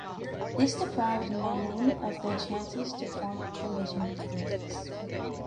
This deprived Naumann of the chances to form a coalition with the Greens.